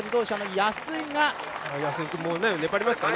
安井君も粘りましたね。